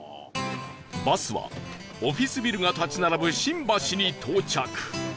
バスはオフィスビルが立ち並ぶ新橋に到着